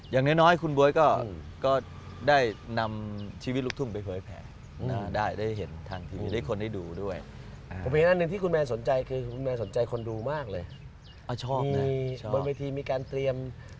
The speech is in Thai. อย่างน้อยคุณบ๊วยก็ได้นำชีวิตลุกทุ่งไปฟ้อให้แผลได้เห็นทางทีวีได้คนเผื่อด้วย